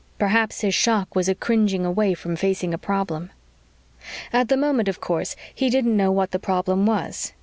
Perhaps his shock was a cringing away from facing a problem. At the moment, of course, he didn't know what the problem was.